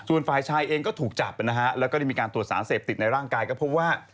ส่วนฝ่ายชายเองก็ถูกจับนะฮะแล้วก็ได้มีการตรวจสารเสพติดในร่างกายก็พบว่า